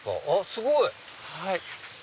すごい！